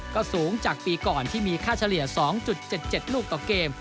ก็สูงจากปีก่อนที่มีค่าเฉลี่ย๒๗๗ลูกต่อเกม